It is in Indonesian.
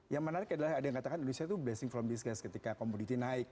yang menarik adalah ada yang katakan indonesia itu blessing from business ketika komoditi naik